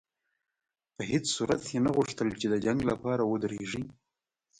په هېڅ صورت یې نه غوښتل چې د جنګ لپاره ودرېږي.